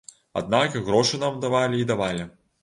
Аднак грошы нам давалі і давалі.